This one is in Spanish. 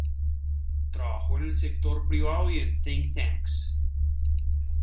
Trabajó en el sector privado y en "think tanks".